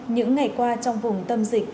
những ngày qua trong vùng tâm dịch